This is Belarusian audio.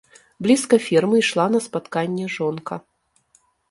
Блізка фермы ішла на спатканне жонка.